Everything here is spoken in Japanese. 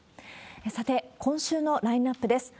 さて、今週のラインナップです。